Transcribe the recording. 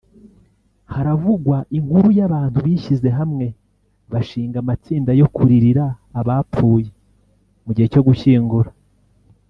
haravugwa inkuru y’abantu bishyize hamwe bashinga amatsinda yo kuririra abapfuye mu gihe cyo gushyingura